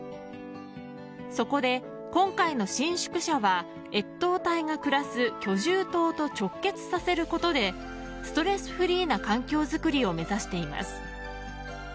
そこで、今回の新宿舎は越冬隊が暮らす居住棟と直結させることでストレスフリーな環境づくりを目指しています。